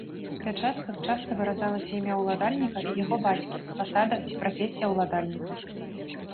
На пячатках часта выразалася імя ўладальніка і яго бацькі, пасада ці прафесія ўладальніка.